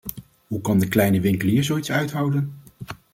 Hoe kan de kleine winkelier zoiets uithouden?